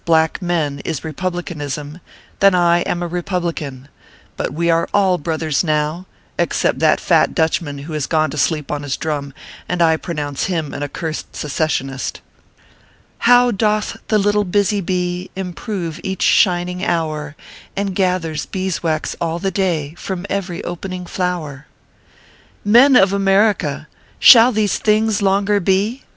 black men, is republicanism, then I am a republican ; but we are all brothers now, except that fat Dutch man, who has gone to sleep on his drum, and I pro nounce him an accursed secessionist :" How doth the little busy beo Improve each shining hour, And gathers beeswax all the day, From every opening flower." Men of America, shall these things longer be